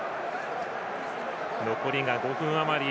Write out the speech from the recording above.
残りが５分あまり。